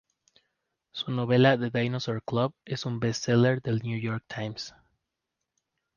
Su novela "The Dinosaur Club" es un bestseller del New York Times.